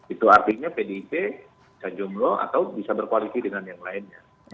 itu artinya pdip bisa jomblo atau bisa berkoalisi dengan yang lainnya